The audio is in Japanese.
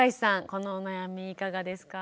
このお悩みいかがですか？